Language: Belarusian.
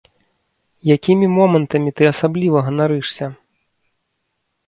Якімі момантамі ты асабліва ганарышся?